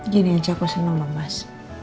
jadi aja aku seneng banget mas